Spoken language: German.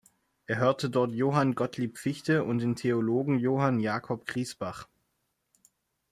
Er hörte dort Johann Gottlieb Fichte und den Theologen Johann Jakob Griesbach.